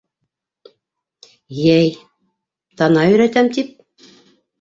Йәй... тана өйрәтәм тип...